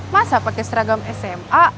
masa pakai seragam sma